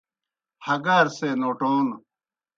ہگار سے نوٹون